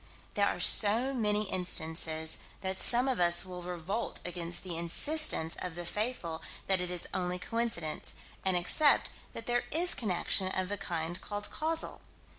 There are so many instances that some of us will revolt against the insistence of the faithful that it is only coincidence, and accept that there is connection of the kind called causal.